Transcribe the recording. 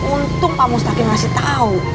untung pak mustaki ngasih tau